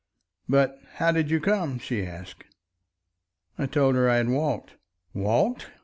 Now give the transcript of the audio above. "But how did you come?" she asked. I told her I had walked. "Walked!"